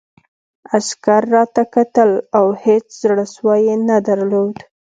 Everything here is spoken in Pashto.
عسکر راته کتل او هېڅ زړه سوی یې نه درلود